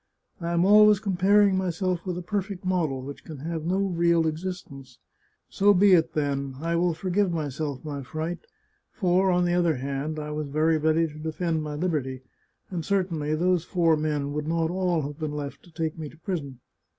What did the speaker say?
I am always comparing myself with a perfect model, which can have no real exis tence. So be it, then. I will forgive myself my fright, for, on the other hand, I was very ready to defend my liberty, and certainly those four men would not all have been left to take me to prison.